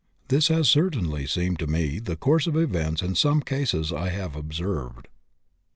This has certainly seemed to me the course of events in some cases I have observed.